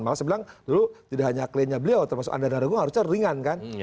malah saya bilang dulu tidak hanya klaimnya beliau termasuk anda dan ragu harusnya ringan kan